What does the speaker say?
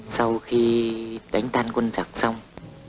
sau khi đánh tan quân giặc xong